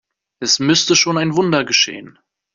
Es müsste schon ein Wunder geschehen.